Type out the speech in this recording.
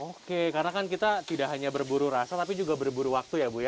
oke karena kan kita tidak hanya berburu rasa tapi juga berburu waktu ya bu ya